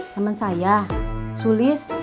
temen saya sulis